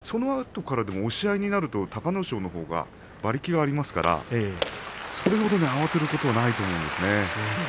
そのあと立ち合いから押し込めなくてもそのあとでも押し合いになると隆の勝のほうが馬力がありますからそれほど慌てることはないと思うんですね。